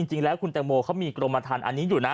จริงแล้วคุณแตงโมเขามีกรมทันอันนี้อยู่นะ